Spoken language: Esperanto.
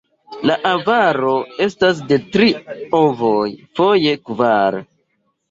La ovaro estas de tri ovoj, foje kvar.